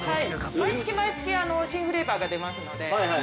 毎月毎月新フレーバーが出ますので。